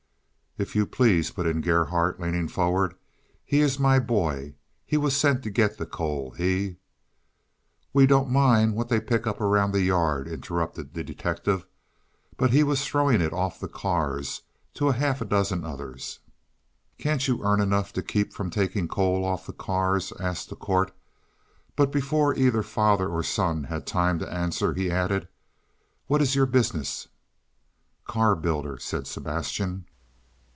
"If you please," put in Gerhardt, leaning forward, "he is my boy. He was sent to get the coal. He—" "We don't mind what they pick up around the yard," interrupted the detective, "but he was throwing it off the cars to half a dozen others." "Can't you earn enough to keep from taking coal off the coal cars?" asked the Court; but before either father or son had time to answer he added, "What is your business?" "Car builder," said Sebastian.